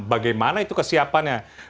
bagaimana itu kesiapannya